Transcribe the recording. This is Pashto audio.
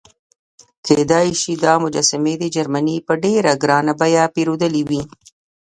کېدای شي دا مجسمې دې جرمني په ډېره ګرانه بیه پیرودلې وي.